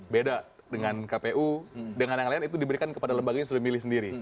beda dengan kpu dengan yang lain itu diberikan kepada lembaga yang sudah milih sendiri